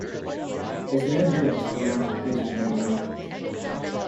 There's no limit to the amount of good you can do.